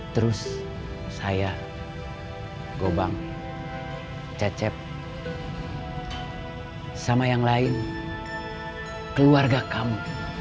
terus saya gobang cecep sama yang lain keluarga kamu